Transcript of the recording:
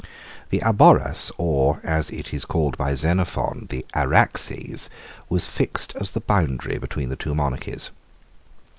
I. The Aboras, or, as it is called by Xenophon, the Araxes, was fixed as the boundary between the two monarchies.